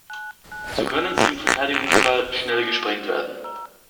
So können sie im Verteidigungsfall schnell gesprengt werden.